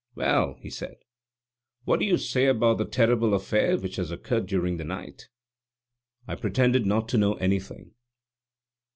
"Well," he said, "what do you say about the terrible affair which has occurred during the night?" I pretended not to know anything.